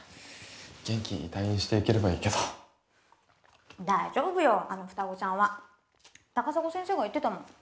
元気に退院していければいいけど大丈夫よあの双子ちゃんは高砂先生が言ってたもん